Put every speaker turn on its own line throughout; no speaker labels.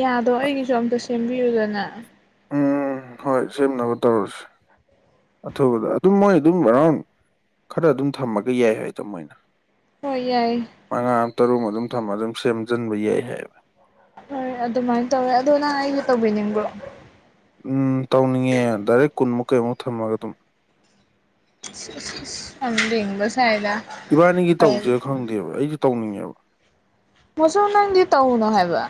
ꯌꯥꯗꯣ ꯑꯩꯒꯤꯁꯨ ꯑꯝꯇ ꯁꯦꯝꯕꯤꯌꯨꯗꯅ
ꯎꯝ ꯍꯣꯏ ꯁꯦꯝꯅꯕ ꯇꯧꯔꯁꯤ ꯑꯊꯨꯕꯗ ꯑꯗꯨꯝ ꯃꯣꯏ ꯑꯗꯨꯝ ꯑꯦꯔꯥꯎꯟ ꯈꯔ ꯑꯗꯨꯝ ꯊꯝꯃꯒ ꯌꯥꯏ ꯍꯥꯏꯗꯣ ꯃꯣꯏꯅ
ꯍꯣꯏ ꯌꯥꯏ
ꯇꯔꯨ ꯑꯗꯨꯝ ꯊꯝꯕꯒ ꯑꯗꯨꯝ ꯁꯦꯝꯖꯤꯟꯕ ꯌꯥꯏ ꯍꯥꯏꯌꯦꯕ
ꯍꯣꯏ ꯑꯗꯨꯃꯥꯏꯅ ꯇꯧꯋꯦ ꯑꯗꯣ ꯅꯍꯥꯟ ꯑꯩꯒꯤ ꯇꯧꯕꯤꯅꯤꯡꯕꯣ
ꯎꯝ ꯇꯧꯅꯤꯡꯉꯦ ꯗꯥꯏꯔꯦꯛ ꯀꯨꯟꯃꯨꯛ ꯀꯩꯃꯨꯛ ꯊꯝꯃꯒ ꯑꯗꯨꯝ
ꯑꯗꯕꯁ
ꯏꯕꯥꯅꯤꯒꯤ ꯇꯧꯁꯦ ꯈꯪꯗꯦꯕ ꯑꯩꯁꯨꯦ ꯇꯧꯅꯤꯡꯉꯦꯕ
ꯃꯁꯁꯨ ꯅꯪꯗꯤ ꯇꯧꯅꯣ ꯍꯥꯏꯕ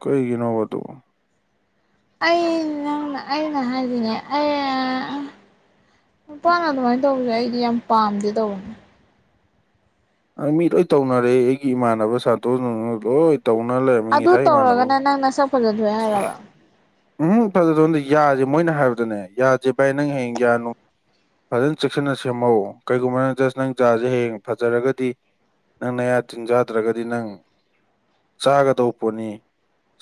ꯀꯩ ꯏꯅꯣ ꯑꯗꯨ
ꯑꯅ ꯑꯩꯅ ꯍꯥꯏꯜꯂꯤꯉꯩ ꯑ ꯅꯨꯄꯥꯅ ꯑꯗꯨꯃꯥꯏꯅ ꯇꯧꯕꯁꯦ ꯑꯩꯗꯤ ꯌꯥꯝ ꯄꯥꯝꯗꯤꯦ ꯇꯧꯕꯅꯦ
ꯑ ꯃꯤ ꯂꯣꯏ ꯇꯧꯅꯔꯦ ꯑꯩꯒꯤ ꯏꯃꯥꯟꯅꯕ ꯁꯥꯇ꯭ꯔꯅ ꯂꯣꯏ ꯇꯧꯅ ꯂꯩꯔꯝꯃꯤ ꯉꯥ ꯏꯃꯥꯟꯅꯕ ꯑꯃ
ꯐꯖꯗꯦ ꯍꯥꯏꯔꯕ
ꯎꯝ ꯐꯖ ꯊꯕꯗ ꯌꯥꯁꯦ ꯃꯣꯏꯅ ꯍꯥꯏꯕꯗꯅꯦ ꯌꯥꯁꯦ ꯚꯥꯏ ꯅꯪ ꯍꯌꯦꯡ ꯌꯥꯅꯨ ꯐꯖꯅ ꯆꯦꯛꯁꯤꯟꯅ ꯁꯦꯝꯍꯧ ꯀꯩꯒꯨꯝꯕ ꯅꯪ ꯖꯁ ꯅꯪ ꯖꯥꯁꯦ ꯍꯌꯦꯡ ꯐꯖꯔꯒꯗꯤ ꯅꯪ ꯑꯌꯥ ꯇꯤꯟꯖꯥꯗ꯭ꯔꯒꯗꯤ ꯅꯪ ꯆꯥꯒꯗꯧꯕ ꯄꯣꯠꯅꯤ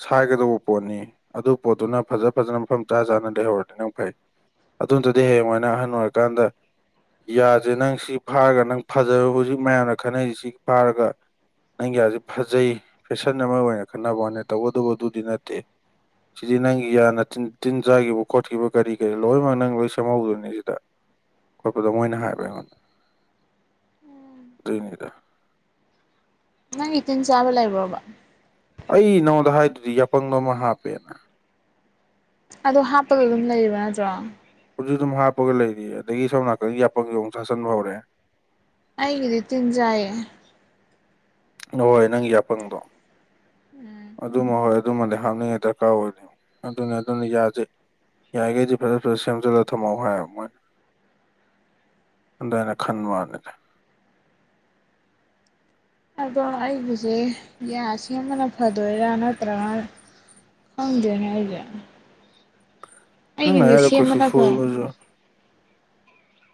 ꯁꯥꯏꯒꯗꯧꯕ ꯄꯣꯠꯅꯤ ꯑꯗꯨ ꯄꯣꯠꯇꯨꯅ ꯐꯖ ꯐꯖꯅ ꯃꯐꯝ ꯆꯥ ꯆꯥꯅ ꯂꯩꯍꯧꯔꯗꯤ ꯅꯪ ꯐꯩ ꯑꯗꯨꯗꯨꯗꯤ ꯍꯌꯦꯡꯥꯏꯅ ꯑꯍꯜ ꯑꯣꯏꯔꯀꯥꯟꯗ ꯌꯥꯁꯦ ꯅꯪ ꯁꯤ ꯐꯥꯔꯒ ꯅꯪ ꯐꯖꯔ ꯍꯧꯖꯤꯛ ꯃꯌꯥꯝꯅ ꯈꯟꯅꯩꯁꯤ ꯁꯤ ꯐꯥꯔꯒ ꯅꯪꯒꯤꯁꯤꯦ ꯐꯖꯩ ꯐꯦꯁꯟ ꯑꯃ ꯑꯣꯏꯅ ꯈꯟꯅꯅꯕ ꯋꯥꯠꯅꯦ ꯇꯧꯕꯒꯇꯕꯨ ꯑꯗꯨꯗꯤ ꯅꯠꯇꯦ ꯁꯤꯗꯤ ꯅꯪꯒꯤ ꯌꯥꯅ ꯇꯤꯟ ꯇꯤꯟ ꯆꯥꯈꯤꯕ ꯈꯣꯠꯈꯤꯕ ꯀꯔꯤ ꯀꯔꯤ ꯂꯣꯏꯅꯃꯛ ꯅꯪ ꯂꯣꯏ ꯁꯦꯝꯍꯧꯗꯣꯏꯅꯦ ꯁꯤꯗ ꯈꯣꯠꯄꯗꯣ ꯃꯣꯏꯅ ꯍꯥꯏꯕ꯭ꯔ ꯑꯩꯉꯣꯟꯗ ꯂꯩꯅꯤꯔ
ꯅꯪ ꯏꯇꯤꯟ ꯆꯥꯕ ꯂꯩꯕ꯭ꯔꯣꯕ
ꯑꯩ ꯅꯉꯣꯟꯗ ꯍꯥꯏꯗꯨꯗꯤ ꯌꯥꯄꯪꯕꯣ ꯑꯃ ꯍꯥꯞꯄꯦꯅ
ꯑꯗ ꯍꯥꯞꯄꯒ ꯑꯗꯨꯝ ꯂꯩꯕ ꯅꯠꯇ꯭ꯔꯣ
ꯁꯨ ꯑꯗꯨꯝ ꯍꯥꯞꯄꯒ ꯂꯩꯔꯤ ꯑꯗꯒꯤ ꯁꯣꯝ ꯅꯥꯀꯟꯒꯤ ꯌꯥꯄꯒꯤꯗꯣꯡ ꯆꯥꯁꯟꯕ ꯍꯧꯔꯦ
ꯑꯩꯒꯤꯗꯤ ꯇꯤꯟꯖꯌꯦꯦ
ꯅꯍꯣꯏ ꯅꯪꯒꯤ ꯌꯥꯄꯪꯗꯣ
ꯎꯝ
ꯑꯗꯨꯃ ꯍꯣꯏ ꯑꯗꯨꯃꯗꯤ ꯍꯥꯞꯅꯤꯡꯉꯥꯏ ꯗꯔꯀꯥꯔ ꯑꯣꯏꯅꯤ ꯑꯗꯨꯅꯤ ꯑꯗꯨꯅ ꯌꯥꯁꯩ ꯌꯥꯔꯤꯈꯩꯗꯤ ꯐꯖ ꯐꯖ ꯁꯦꯝꯖꯜꯂꯒ ꯊꯝꯃꯎ ꯍꯥꯏ ꯃꯣꯏꯅ ꯑꯗꯅ ꯈꯟ ꯃꯥꯅꯦꯗ
ꯑꯗꯣ ꯑꯩꯕꯨꯁꯦ ꯌꯥꯁ ꯁꯦꯝꯕꯅ ꯐꯗꯣꯏꯔꯥ ꯅꯠꯇ꯭ꯔꯒ ꯍꯪꯒ ꯍꯥꯏꯒ
ꯌꯥꯔ ꯀꯣꯁꯤꯁꯨꯣꯏ ꯃꯖ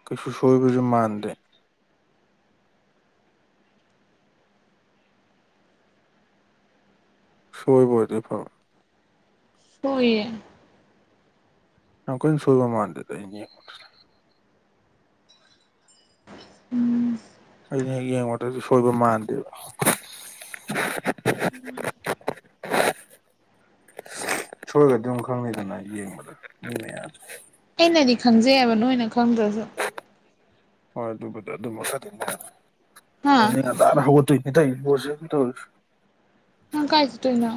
ꯀꯁꯨ ꯁꯣꯏꯕꯤꯁꯨ ꯃꯥꯟꯗꯦ ꯁꯣꯏꯕꯣꯏꯗꯤ ꯐꯥꯎ
ꯍꯣꯏꯌꯦꯦ
ꯌꯥꯝ ꯀꯣꯏ ꯁꯜꯕ ꯃꯥꯅꯗꯗ ꯑꯩꯅ ꯍꯦꯛ ꯌꯦꯡꯉꯨꯗꯗꯤ ꯁꯣꯏꯕ ꯃꯥꯟꯗꯦꯕ
[inaudible]
ꯁꯣꯏꯒꯗꯤ ꯑꯗꯨꯝ ꯈꯪꯅꯤꯗꯅ ꯌꯦꯡꯕꯗꯅꯦ
ꯑꯩꯅꯗꯤ ꯈꯪꯖꯩꯑꯕ ꯅꯣꯏꯅ ꯈꯪꯗ꯭ꯔꯁꯨ
ꯍꯣꯏ ꯑꯗꯨꯕꯨꯗꯤ ꯑꯗꯨ ꯃꯈꯗꯤ
ꯍꯥ
ꯇꯅ ꯍꯧꯒꯠꯇꯣꯏ ꯏ ꯇꯥꯏ ꯣꯅꯤ ꯇ
ꯍ ꯀꯥꯏ ꯆ ꯇꯏꯅ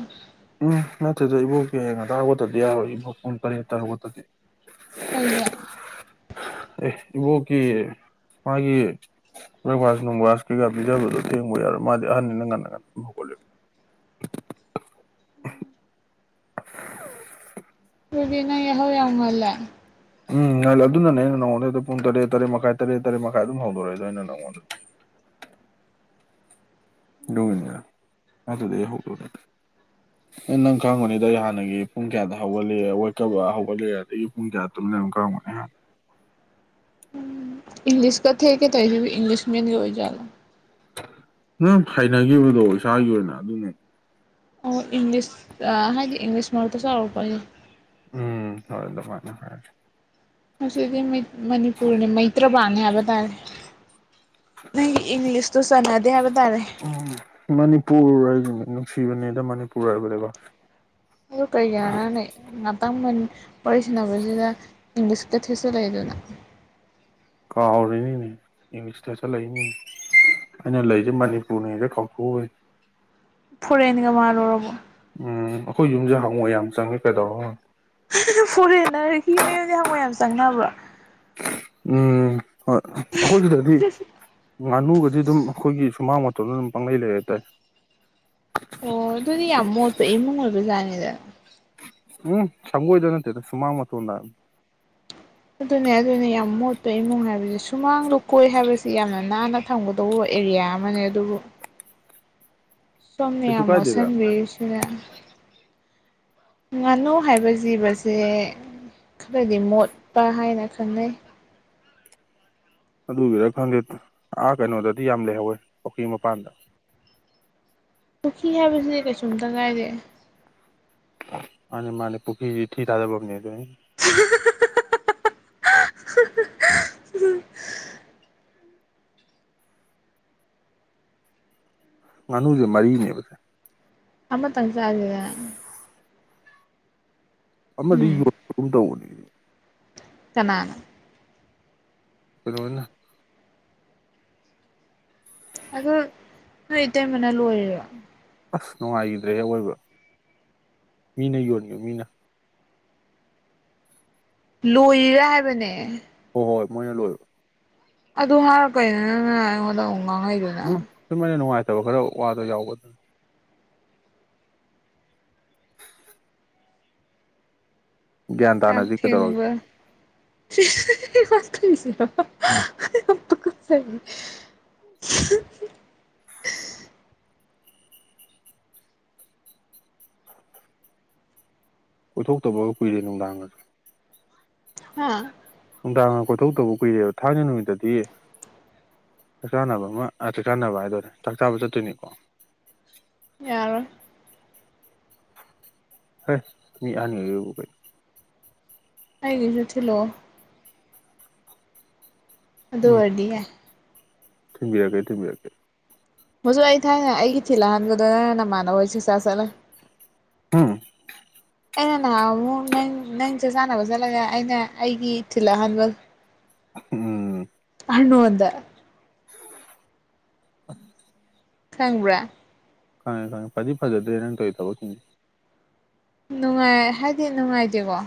ꯎꯝ ꯅꯠꯇ꯭ꯔꯗ ꯏꯕꯣꯛ ꯀ ꯌꯦꯡ ꯉꯗꯥꯔ ꯈꯠꯇꯗꯤ ꯌꯥꯎꯔꯣꯏ ꯏꯕꯣꯛ ꯄꯨꯡ ꯇꯔꯦꯠꯠꯇ ꯈꯠꯇꯗꯤ
ꯀꯩꯌꯥ
ꯑꯦ ꯏꯕꯣ ꯀ ꯃꯥꯒꯤ ꯕ꯭ꯔꯦꯛꯚꯥꯁ ꯅꯨꯡꯚꯥꯁ ꯀꯩꯀꯥ ꯄꯤꯖꯕꯗꯣ ꯌꯦꯦꯡꯕ ꯌꯥꯔꯣꯏ ꯃꯥꯗꯤ ꯑꯍꯟꯅꯤꯅ ꯉꯟꯅ ꯉꯟꯅ ꯁ
ꯎꯝ ꯕꯤꯅ ꯌꯥꯍꯧ ꯌꯥꯝꯃꯜꯂꯦ
ꯎꯝ ꯉꯜꯂꯦ ꯑꯗꯨꯅꯅꯦ ꯑꯩꯅ ꯅꯉꯣꯟꯗꯩꯗ ꯄꯨꯡ ꯇꯔꯦꯠ ꯇꯔꯦꯠ ꯃꯈꯥꯏ ꯇꯔꯦꯠ ꯇꯔꯦꯠ ꯃꯈꯥꯏ ꯑꯗꯨꯝ ꯍꯧꯗꯣꯔꯛꯏꯗ ꯑꯩꯅ ꯅꯉꯣꯟꯗꯗꯤ
[inaudible]
ꯣꯃꯤ ꯑ ꯑꯗꯨꯗꯤ ꯍꯗ ꯅꯪ ꯈꯪꯕꯅꯤꯗ ꯑꯩ ꯍꯥꯟꯅꯒꯤ ꯄꯨꯡ ꯀꯌꯥꯗ ꯍꯧꯒꯠꯂꯦꯀ ꯍꯧꯒꯠꯂꯦ ꯑꯗꯒꯤ ꯄꯨꯡ ꯀꯌꯥ ꯀ
ꯏꯪꯂꯤꯁ ꯀ ꯊꯦ ꯀ ꯇꯁꯤ ꯏꯪꯂꯤꯁ ꯃꯤꯖꯂ
ꯅꯪ ꯍꯥꯏꯅꯈꯤꯕꯗꯣ ꯏꯁꯥꯒꯤ ꯑꯣꯏꯅ ꯑꯗꯨꯃꯅꯦ
ꯑꯣ ꯏꯪꯂꯤꯁ ꯍꯥꯏꯗꯤ ꯏꯪꯂꯤꯁ ꯃ ꯃꯔꯔ ꯇ ꯁꯔ ꯄ
ꯎꯝ ꯍ ꯑꯗꯨꯃꯅ ꯍꯦ
ꯃꯁꯤꯗꯤ ꯃꯅꯤꯄꯨꯔꯅꯤ ꯃꯩꯇ꯭ꯔꯥ ꯍꯥꯏꯕ ꯇꯥꯏ ꯅ ꯏꯪꯂꯤꯁ
ꯎ ꯃꯅꯤꯄꯨꯔ ꯒꯤ ꯅꯨꯡꯁꯤꯕꯅꯦꯗ ꯃꯅꯤꯄꯨꯔ ꯍꯥꯏꯕꯅꯦꯀꯣ
ꯑꯗꯨ ꯀꯩꯌꯥꯅꯅ ꯑ ꯋꯥꯔꯤ ꯁꯥꯟꯟꯅꯅꯕꯁꯤꯗ ꯏꯪꯂꯤꯏꯁꯀ ꯊꯦꯇ ꯂꯩ ꯑꯗꯨꯅ
ꯀꯥꯎꯔꯤꯅꯤꯅꯦ ꯏꯪꯂꯤꯁꯇ ꯆꯠꯂꯛꯏꯅꯤꯅꯦ ꯑꯩꯅ ꯂꯩꯁꯦ ꯃꯅꯤꯄꯨꯔꯅꯤꯗ ꯀꯄꯨ ꯑꯣꯏ
ꯐꯣꯔꯦꯟꯦꯟꯒ ꯃꯥꯜꯂꯨꯔꯕꯣ
ꯎꯝ ꯑꯩꯈꯣꯏ ꯌꯨꯝꯁꯦ ꯍꯪꯉꯣ ꯌꯥꯝ ꯆꯪꯉꯦ ꯀꯩꯗꯧꯔꯣ
ꯐꯣꯔꯦꯟꯅꯔ ꯍꯤ ꯃꯌꯨꯝꯗꯤ ꯍꯪꯉꯣꯏ ꯌꯥꯝ ꯆꯪꯅꯕ꯭ꯔꯥ
ꯎꯝ ꯍꯣꯏ ꯑꯩꯈꯣꯏ ꯁꯤꯗꯗꯤ ꯉꯥꯅꯨꯒꯗꯤ ꯑꯗꯨꯝ ꯑꯩꯈꯣꯏꯒꯤ ꯁꯨꯃꯥꯡ ꯄꯪ ꯂꯩꯇ
ꯑꯣ ꯑꯗꯨꯗꯤ ꯌꯥꯝ ꯃꯣꯠꯄ ꯏꯃꯨꯡ ꯑꯣꯏꯕꯖꯥꯠꯅꯤꯗ
ꯎꯝ ꯆꯪꯒꯣꯣꯏꯗꯣꯏꯅꯠꯇꯦ ꯁꯨꯃꯥꯡ ꯃ ꯎꯅ
ꯑꯗꯨꯅꯦ ꯑꯗꯨꯅꯦ ꯌꯥꯝ ꯃꯣꯠꯠꯇꯣ ꯏꯃꯨꯡ ꯍꯥꯏꯕꯁꯦ ꯁꯨꯃꯥꯡ ꯂꯨꯀꯣꯏ ꯍꯥꯏꯕꯁꯤ ꯌꯥꯝꯅ ꯅꯥꯟꯅ ꯊꯝꯒꯗꯧꯕ ꯑꯣꯏ ꯑꯦꯔꯤꯌꯥ ꯃꯅꯦ ꯑꯗꯨꯕꯨ ꯁꯣꯅꯌꯥ
ꯀꯩꯁꯨ
ꯃꯣꯁꯥꯝ
ꯀꯥꯏꯗꯦꯗ
ꯁꯤꯗ ꯉꯥꯅꯨ ꯍꯥꯏꯕ ꯖꯤꯕꯁꯦ ꯈꯔꯗꯤ ꯃꯣꯠꯄ ꯍꯥꯏꯅ ꯈꯪꯅꯩ
ꯑꯗꯨꯒꯤꯔ ꯈꯪꯗꯦ ꯑꯥ ꯀꯩꯅꯣꯗꯗꯤ ꯌꯥꯝ ꯂꯩꯍꯧꯋꯦ ꯄꯨꯈ꯭ꯔꯤ ꯃꯄꯥꯟꯗ
ꯄꯨꯈꯤ ꯍꯥꯏꯕꯕꯁꯤꯗꯤ ꯀꯩꯁꯨꯨꯝꯇ ꯀꯥꯏꯔꯦ
ꯑ ꯃꯥꯅꯦ ꯄꯨꯣꯈꯈꯤ ꯊꯤ ꯇꯥꯗꯕꯝꯅꯤ ꯑꯗꯨ ꯉꯥꯅꯨꯁꯦ ꯃꯔꯤꯅꯦꯕꯁꯦ
ꯑꯝꯕꯇꯥꯡ ꯆꯥꯗꯗ
ꯑꯃꯗꯤ ꯌꯣꯟꯄꯒ ꯇꯧꯕꯅꯤ
ꯀꯅꯥꯅ
ꯐꯣꯅ
ꯑ ꯅꯣꯏ ꯏꯇꯩꯃꯅ ꯂꯣꯏꯔꯕ
ꯑꯁ ꯅꯨꯡꯉꯥꯏꯈꯤꯗ꯭ꯔꯦ ꯍꯦꯛ ꯑꯣꯏꯕ ꯃꯤꯅ ꯌꯣꯟꯉꯨ ꯃꯤꯅ
ꯂꯣꯏꯔꯥ ꯍꯥꯏꯕꯅꯦ
ꯍꯣꯏ ꯍꯣꯏ ꯃꯣꯏꯅ ꯂꯣꯏꯔꯣ
ꯑꯗꯨ ꯍꯥꯏꯔꯛꯄꯩꯗ ꯅꯪꯅ ꯑꯩꯉꯣꯟꯗ ꯑꯃ ꯉꯥꯡꯉꯩꯗꯨꯅ
ꯐꯠꯇꯕ ꯈꯔ ꯋꯥꯗꯣ ꯌꯥꯎꯕꯗ ꯒ꯭ꯌꯥꯟ
ꯌꯥꯝ
ꯇꯥꯅꯗꯤ ꯀꯩꯗꯧꯔꯒꯦ
ꯊꯕꯁꯤ [unintelligible]
ꯀꯣꯏꯊꯣꯛꯇꯕꯒ ꯀꯨꯏꯔꯦ ꯅꯨꯡꯗꯥꯡꯒꯁꯦ
ꯑ
ꯅꯨꯡꯗꯥꯡ ꯀꯣꯏꯊꯧ ꯇꯧꯕ ꯀꯨꯏꯔꯦꯕ ꯊꯥꯡꯖ ꯅꯨꯃꯤꯠꯇꯗꯤ ꯆꯥꯛ ꯆꯥꯅꯕ ꯑꯃ ꯆꯥꯛ ꯆꯥꯅꯕ ꯍꯥꯏꯗꯔꯦ ꯆꯥꯛ ꯆꯥꯕ ꯆꯠꯇꯣꯏꯅꯤꯀꯣ
ꯌꯥꯔ
ꯍꯣꯏ ꯃꯤ ꯍꯥꯥꯟꯅꯤꯒꯒ
ꯍꯥꯏꯒꯤꯁꯨ ꯊꯂꯣ ꯑꯗꯨꯗ ꯑꯣꯏꯗꯤꯌꯦꯦ
ꯊꯤꯡꯕꯤꯔꯀꯦ ꯊꯦꯡꯝꯕꯤꯔꯀꯦ
ꯍꯧꯖꯤꯛ ꯑꯩ ꯊꯥꯏꯅ ꯑꯩꯒꯤ ꯊꯤꯜꯂꯛꯍꯟꯒꯗꯣꯏꯅ ꯅꯃꯥꯟꯅꯕ ꯍꯣꯏ ꯆꯁꯥ ꯆꯠꯂ ꯆ ꯁ
ꯍꯥꯝ
ꯑꯩꯅ ꯅꯍꯥꯟ ꯑꯃꯨꯛ ꯅꯪ ꯅꯪꯁꯦ ꯆꯥꯟꯅꯕ ꯆꯠꯂꯒ ꯑꯩꯅ ꯑꯩꯒꯤ ꯏꯊꯤꯜ ꯑꯍꯥꯟꯕ
ꯎꯝ
ꯍꯅꯨꯗ
[unintelligible]
ꯈꯪꯕ꯭ꯔꯥ
ꯈꯪꯉꯦ ꯈꯪꯉꯦ ꯐꯗꯤ ꯐꯖꯗ꯭ꯔꯦ ꯅꯪ ꯀꯧꯔꯤ ꯊꯕꯛꯀꯤꯅꯤ
ꯅꯨꯡꯉꯥꯏ ꯍꯥꯏꯗꯤ ꯅꯨꯡꯉꯥꯏꯇꯦꯀꯣ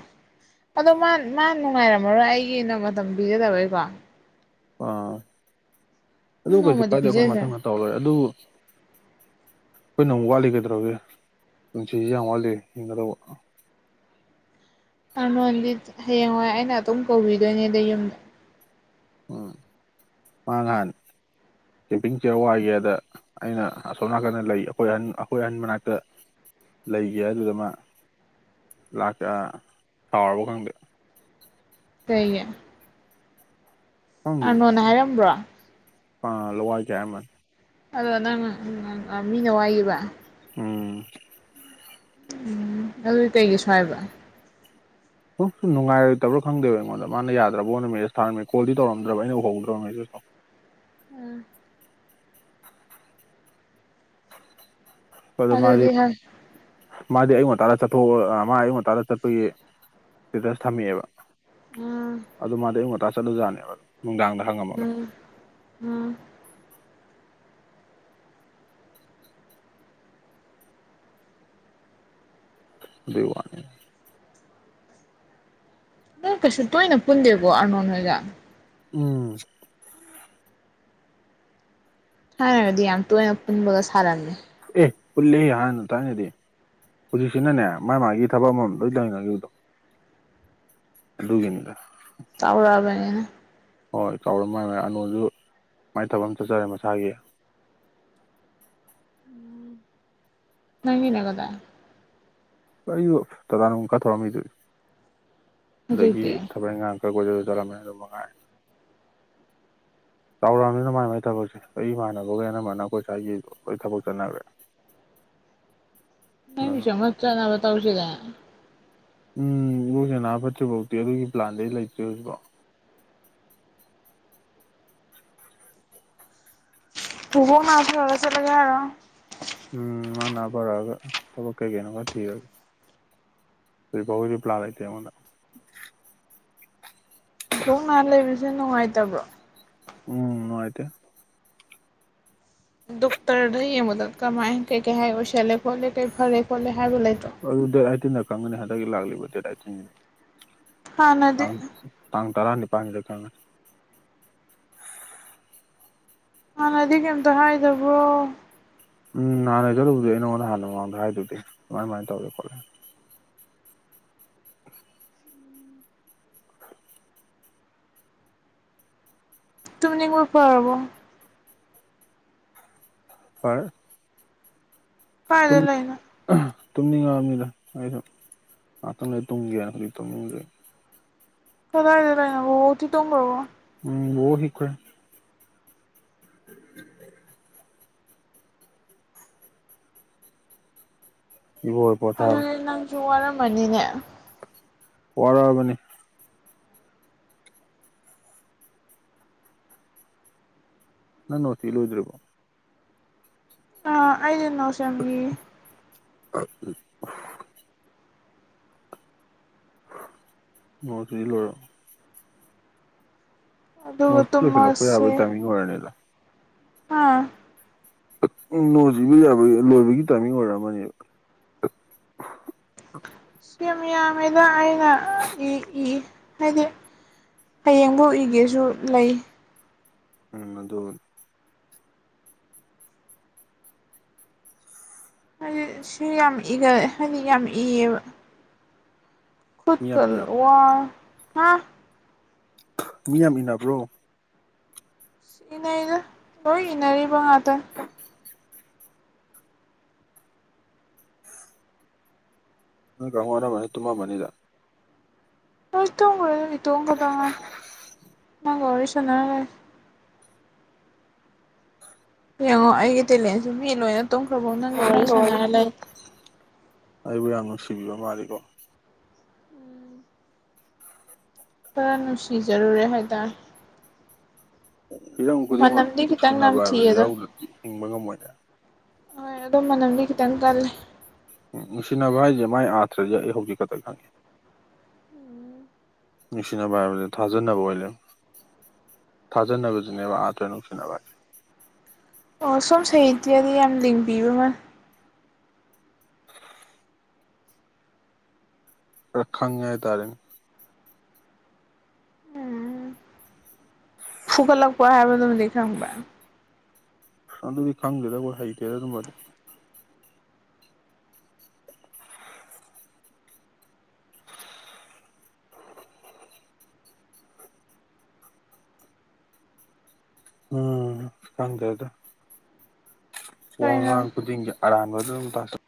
ꯑꯗꯣ ꯃꯥ ꯃꯥ ꯅꯨꯡꯉꯥꯏꯔꯝꯃꯔꯣꯏ ꯑꯩꯒꯤꯅ ꯃꯇꯝ ꯄꯤꯖꯗꯕꯩꯀꯣ
ꯑꯥ ꯑꯗꯨ ꯀꯩꯁꯨ
ꯅꯣꯡꯃꯗꯤ
ꯀꯥꯏꯗꯦ ꯑꯩꯈꯣꯏ
ꯄꯤꯖꯁꯦ
ꯃꯊꯪ ꯇꯧ ꯂꯣꯏꯔꯦ ꯑꯗꯨꯕꯨ
[unintelligible]
ꯑꯩꯈꯣꯏꯅ ꯑꯃꯨꯛ ꯋꯥꯠꯂꯤ ꯀꯩꯗꯧꯒꯦ ꯄꯨꯟꯁꯤꯁꯤ ꯌꯥꯝ ꯋꯥꯠꯂꯤ ꯌꯦꯤꯡꯒꯗꯧꯕ
ꯑ ꯅꯗꯤ ꯍꯌꯦꯡꯋꯥꯏ ꯑꯩꯅ ꯑꯗꯨꯝ ꯀꯧꯕꯤꯗꯣꯏꯅꯦꯗ ꯌꯨꯝꯗ [unintelligible]
ꯃꯒꯥꯟ ꯀꯦꯝꯄꯤꯡ ꯆꯦꯌꯔ ꯋꯥꯏꯒꯦꯗ ꯑꯩꯅ ꯑꯁꯣꯝ ꯅꯥꯀꯟꯗ ꯂꯩ ꯑꯩꯈꯣꯏ ꯑꯍ ꯑꯩꯈꯣꯏ ꯑꯍꯟ ꯃꯅꯥꯛꯇ ꯂꯩꯒꯦ ꯑꯗꯨꯗ ꯃꯥꯥꯛ ꯁꯥꯎꯔꯕ ꯈꯪꯗꯦ
ꯇ
ꯈꯪꯗꯦ
ꯑꯥꯅꯣꯅ ꯍꯥꯏꯔꯝꯕ꯭ꯔꯣ
ꯑꯥ ꯂꯋꯥ ꯆ ꯑꯃ
ꯑꯗꯣ ꯅꯪ ꯃꯤꯅ ꯋꯥꯏꯌꯦꯕ
ꯎꯝ
ꯎꯝ ꯑꯗꯨ ꯇꯩꯒꯤ ꯁꯋꯥꯏꯕ
ꯁꯨꯝ ꯁꯨꯝ ꯉꯥꯏꯛꯇꯕ꯭ꯔ ꯈꯪꯗꯦꯕ ꯑꯩꯉꯣꯟꯗ ꯃꯥꯅ ꯌꯥꯗ꯭ꯔꯕꯣꯅ ꯃꯦ ꯊꯔꯝꯃꯦ ꯀꯣꯜꯗꯤꯧꯝ꯭ꯔ ꯑꯩꯅ ꯎ ꯍꯧꯧꯗ꯭ꯔꯕ ꯃꯦꯁꯇꯣ
ꯎꯝ
ꯑꯗꯣ ꯃꯥꯗꯤ
ꯑꯗꯨꯗꯤ ꯍ
ꯃꯥꯗꯤ ꯑꯌꯨ ꯉꯇꯥꯗ ꯆꯠꯊꯣꯛ ꯃꯥ ꯑꯌꯨ ꯉꯟꯇꯥꯗ ꯆꯠꯄꯒꯤ ꯏꯁꯇꯦꯇꯁ ꯊꯝꯃꯛꯑꯦꯕ
ꯎꯝ
ꯑꯗꯨ ꯃꯥꯗꯤ ꯑꯌꯨꯛ ꯉꯟꯇꯥ ꯆꯠꯂꯖꯨ ꯌꯥꯅꯦꯕ ꯑꯗꯨꯝ
ꯎꯝ ꯎꯝ
ꯑꯗꯨꯏ ꯋꯥꯅꯤ
ꯅꯣꯏ ꯀꯩꯁꯨ ꯇꯣꯏꯅ ꯄꯨꯟꯗꯦꯕꯣ ꯑꯔꯅꯣꯟ ꯍꯣꯏꯒ
ꯎꯝ
ꯊꯥꯏꯅꯔꯗꯤ ꯌꯥꯝ ꯇꯣꯏꯅ ꯄꯨꯟꯕꯒ ꯁꯥꯔꯝꯃꯦ
ꯑꯦ ꯄꯨꯜꯂꯦ ꯍꯥꯟꯅ ꯊꯥꯏꯅꯗꯤ ꯍꯧꯖꯤꯛꯁꯤꯅꯅꯦ ꯃꯥ ꯃꯥꯒꯤ ꯊꯕꯛ ꯑꯃꯃꯝ ꯂꯣꯏ ꯂꯩꯅꯈꯤꯕꯗꯣ ꯑꯗꯨꯒꯤꯅꯗ
ꯆꯥꯎꯔꯑꯕꯅꯤꯅ
ꯍꯣꯏ ꯆꯥꯎꯔ ꯃꯥꯏ ꯃꯥꯏ ꯑꯔꯅꯣꯜꯁꯨ ꯃꯥꯏ ꯊꯕꯛ ꯑꯃ ꯆꯠꯆꯔꯦ ꯃꯁꯥꯒꯤ
[inaudible] ꯅꯪꯒꯤꯅ ꯀꯗꯥꯏ
ꯑꯩꯁꯨ ꯇꯇꯥꯅꯨꯡ ꯈꯔ ꯊꯧꯔꯝꯃꯤꯗꯨꯗꯤ ꯑꯗꯒꯤ
ꯍꯧꯖꯤꯛꯇꯤ
ꯊꯕꯛ ꯏꯟꯒꯥꯡ ꯈꯔ ꯀꫭꯏꯆꯠ ꯆꯠꯂꯝꯃꯦ ꯑꯗꯨ ꯃꯉꯥꯏ ꯆꯥꯎꯔꯛ ꯑꯝꯅꯤꯅ ꯃꯥꯏ ꯃꯥꯏ ꯊꯕꯛꯁꯦ ꯑꯩ ꯏꯃꯥꯟꯅꯕꯒꯩ ꯑꯅꯝꯕꯅ ꯑꯩꯈꯣꯏ ꯁ꯭ꯋꯥꯏꯒꯤ ꯂꯣꯏ ꯊꯕꯛ ꯆꯠꯅꯈ꯭ꯔꯦ
[inaudible]
ꯑꯗꯨꯅ
ꯅꯪꯒꯤꯁꯨ ꯑꯃ ꯆꯅꯕ ꯇꯧꯁꯤꯗꯅ
ꯎꯝ ꯏꯕꫭꯛꯁꯤꯅ ꯅꯥ ꯐꯠꯇ꯭ꯔꯤꯐꯧꯗꯤ ꯑꯗꯨꯒꯤ ꯄ꯭ꯂꯥꯟꯗꯤ ꯑꯩ ꯂꯩꯇ꯭ꯔꯤ ꯍꯧꯖꯤꯛꯕꯥꯎ
ꯇꯨ ꯕꫭꯛ ꯅꯥ ꯐꯔꯒ ꯆꯠꯂꯒꯦ ꯍꯥꯏꯔꫭ
ꯐꯔꯒ ꯊꯕꯛ ꯀꯩ ꯀꯩꯅꫭ ꯈꯔ ꯊꯤꯔꯒ ꯍꯧꯖꯤꯛꯐꯥꯎꯒꯤꯗꯤ ꯄ꯭ꯂꯥꯟ ꯂꯩꯇꯦ ꯑꯩꯉꫭꯟꯗ
ꯕꫭꯛ ꯅꯥ ꯂꯩꯕꯁꯦ ꯅꯨꯡꯉꯥꯏꯇꯕ꯭ꯔꯣ
ꯎꯝ ꯅꯨꯡꯉꯥꯏꯇꯦ
ꯗꫭꯛꯇꯔꯗ ꯌꯦꯡꯕꯗ ꯀꯃꯥꯏ ꯀꯩ ꯀꯩ ꯍꯥꯏ ꯑꫭꯏꯁꯜꯂꯦ ꯈꯣꯂꯦ ꯀꯩ ꯐꯔꯦ ꯈꯣꯂꯦ
ꯑꯑꯗꯨ ꯗꯦꯠ ꯑꯥꯏꯠꯇꯤꯟꯗ ꯈꯪꯒꯅꯤ ꯍꯟꯗꯛꯀꯤ ꯂꯥꯛꯂꯤꯕ ꯗꯦꯠ ꯑꯥꯏꯠꯇꯤꯟꯁꯤꯗ
ꯍꯥꯟꯅꯗꯤ
ꯇꯥꯡ ꯇꯥꯡ ꯇꯔꯅꯤꯄꯥꯟꯁꯤꯗ ꯈꯪꯉꯅꯤ
ꯍꯥꯟꯅꯗꯤ ꯀꯩꯝꯇ ꯍꯥꯏꯗꯕ꯭ꯔꫭ
ꯎꯝ ꯅꯍꯥꯟ ꯑꯩ ꯆꯠꯂꯨꯕꯗꯤ ꯑꯩ ꯅꯉꯣꯟꯗ ꯍꯥꯟꯅ ꯃꯃꯥꯡꯗ ꯍꯥꯏꯗꯨꯗꯤ ꯀꯃꯥꯏ ꯀꯃꯥꯏꯅ ꯇꯧꯒꯦ ꯈꯣꯠꯂꯦꯅ
ꯇꯨꯝꯅꯤꯕ ꯐꯔꯕꯣ
ꯐꯔꯦ
ꯀꯥꯏꯗ ꯂꯩꯅꫭ
ꯇꯨꯝꯅꯤꯡꯉꯑꯕ ꯅꯤꯗ ꯑꯩꯁꯨ ꯉꯥꯏꯍꯥꯛꯇꯪ ꯂꯩ ꯇꯨꯝꯒꯤꯒꯦꯅ ꯍꯧꯖꯤꯛ ꯇꯨꯝꯃꯨꯕꯗꯩ
ꯀꯗꯥꯥꯏꯗ ꯂꯩꯅꫭ ꯕꫭꯕꫭꯛꯇꯤ ꯇꯨꯝꯒ꯭ꯔꯕꯣ
ꯎꯝ ꯕꫭꯕꫭꯛ ꯍꯤꯞꯈ꯭ꯔꯦ [inaudible] ꯏꯕꯣꯛ ꯍꫭꯏ ꯄꫭꯊꯥꯔꯒ꯭ꯔꯦ
ꯁꯨ ꯋꯥꯔꯝꯃꯅꯤꯅꯦ
ꯋꯥꯔ ꯑꯕꯅꯤ ꯅꯪ ꯅꯣꯠ ꯏ ꯂꯣꯏꯗ꯭ꯔꯤꯕꯣ
ꯑ ꯑꯩꯗꯤ ꯅꫭꯁ ꯌꯥꯝ ꯌꯦꯡꯉꯤ
[inaudible] ꯅꫭꯠꯁ ꯏ ꯂꫭꯏꯔꯕꫭ
ꯑꯗꯨꯒ
ꯅꫭꯁ ꯏꯕ ꯂꫭꯏꯁꯜꯂꯛꯄ
ꯇꯨꯝꯃꯁꯦ
ꯌꯥꯕꯩ ꯇꯥꯏꯃꯤꯡ ꯑꫭꯏꯔꯅꯤꯗ
ꯑꯥ
ꯎꯝ ꯅꫭꯠꯁ ꯏꯕ ꯌꯥꯕꯒꯤ ꯂꯣꯏꯕꯒꯤ ꯇꯥꯏꯃꯤꯡ ꯑꯣꯏꯔꯛ ꯑꯃꯅꯦꯕ [inaudible]
ꯁꯤꯀꯤꯌꯥꯝꯉꯩꯗ ꯑꯩꯅ ꯏ ꯏ ꯍꯥꯏꯗꯤ ꯍꯌꯦꯡꯕꯧ ꯏꯒꯦꯁꯨ ꯂꯩ
ꯎꯝ ꯑꯗꯣ
ꯁꯤ ꯌꯥꯝ ꯏ ꯍꯥꯏꯗꯤ ꯌꯥꯝ ꯏꯌꯦꯕ
ꯃꯤ
ꯈꯨꯗꯀ
ꯌꯥꯝ ꯏꯟꯅ
ꯋꯥ ꯍꯥ
ꯃꯤꯌꯥꯝ ꯏꯟꯅꯕ꯭ꯔꯣ
ꯏꯅꯩꯗ ꯍꯣꯏ ꯏꯅꯔꯤꯕ ꯉꯥꯛꯇ
ꯅ ꯀꯍꯅ ꯃ ꯇꯃ ꯃꯅꯤꯗ
ꯏꯇ ꯀ ꯏꯇ ꯀꯠꯇꯉꯦ ꯅꯪꯒ ꯋꯥꯔꯤ ꯆꯟꯅꯔꯦ ꯌꯦꯡꯉꯣ ꯑꯩꯒꯤ ꯇꯦꯂꯦꯟꯁꯤ ꯃꯤ ꯂꯣꯏꯅ ꯇꯨꯝꯈ꯭ꯔꯕꯣ ꯅꯪꯒ ꯋꯥꯔꯤ
ꯂꯣꯏ
ꯁꯥꯟꯅꯔ ꯂꯩ
ꯑꯩꯕꯨ ꯌꯥꯝ ꯅꯨꯡꯁꯤꯕꯤꯕ ꯃꯥꯜꯂꯤꯀꯣ
ꯈꯔ ꯅꯨꯡꯁꯤꯖꯔꯨꯔꯦ ꯍꯥꯏꯗ
ꯍꯤꯔꯝ ꯈꯨꯗꯤꯡꯃꯛ
ꯈꯤꯇꯪ
ꯅꯨꯡꯁꯤꯟꯅꯅꯕ
ꯅꯝꯊꯤ
ꯍꯥꯏꯕꯗꯨ
ꯑꯗꯣ
ꯌꯥꯎꯗ꯭ꯔꯗꯤ ꯍꯤꯡꯕ ꯉꯝꯃꯣꯏꯅꯦ
ꯍꯣꯏ ꯑꯗꯣ ꯃꯅꯝꯗꯤ ꯈꯤꯇꯪ ꯀꯜꯂꯦ
ꯎ ꯅꯨꯡꯁꯤꯅꯕ ꯍꯥꯏꯁꯦ ꯃꯥꯏ ꯑꯥꯊ꯭ꯔꯁ ꯑꯩ ꯍꯧꯖꯤꯛ ꯈꯛꯇ ꯈꯪꯉꯤ ꯅꯨꯡꯁꯤꯅꯕ ꯍꯥꯏꯕꯂ ꯊꯥꯖꯟꯅꯅꯕ ꯑꯣꯏꯂꯦ ꯊꯥꯖꯅꯕꯁꯨꯅꯦꯕ ꯑꯥꯇ꯭ꯔ ꯅꯨꯡꯁꯤꯅꯕ ꯍꯥꯏꯁꯦ
ꯑꯣ ꯁꯨꯝ ꯁꯩꯍꯤꯗꯤꯌꯥꯗꯤ ꯌꯥꯝ ꯂꯤꯡꯕꯤꯕꯃ
ꯔꯈꯥꯡꯒꯦ ꯏ ꯇꯔꯦ
ꯐꯨꯀꯠꯂꯛꯄ ꯍꯥꯏꯕꯔꯕ꯭ꯔꯥꯏ
ꯑꯗꯨ ꯑꯗꯨꯗꯤ ꯈꯪꯗꯦꯗ ꯑꯩ ꯍꯩꯗꯦꯗ ꯑꯗꯨꯝ ꯎꯝ ꯀꯗꯗ
ꯀꯩꯅꯣ
ꯋꯥꯉꯥꯡ ꯈꯨꯗꯤꯡꯒꯤ ꯑꯔꯥꯟꯕ ꯑꯗꯨꯝ ꯄꯥꯊ